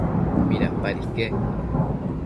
¿midapad iquec?